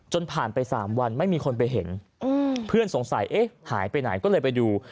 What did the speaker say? ผ่านไป๓วันไม่มีคนไปเห็นเพื่อนสงสัยเอ๊ะหายไปไหนก็เลยไปดู